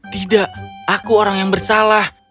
tidak aku orang yang bersalah